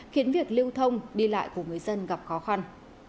khiến việc lưu thông đi lại của người dân gặp khó khăn